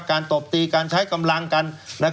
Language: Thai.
ตบตีการใช้กำลังกัน